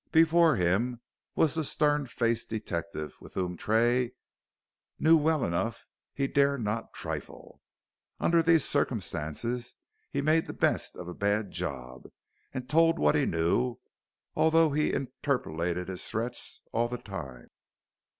Before him was the stern faced detective with whom Tray knew well enough he dare not trifle. Under these circumstances he made the best of a bad job, and told what he knew although he interpolated threats all the time.